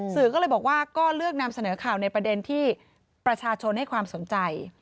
สื่อก็เลยบอกว่าก็เลือกนำเสนอข่าวในประเด็นที่ประชาชนให้ความสนใจ